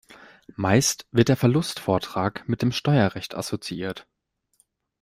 Meist wird der Verlustvortrag mit dem Steuerrecht assoziiert.